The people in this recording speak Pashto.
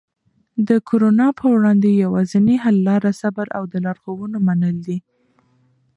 د کرونا په وړاندې یوازینی حل لاره صبر او د لارښوونو منل دي.